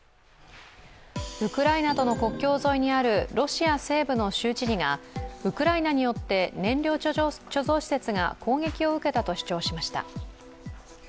ウクライナとの国境沿いにあるロシア西部の州知事がウクライナによって燃料貯蔵施設が攻撃を受けたと主張しました。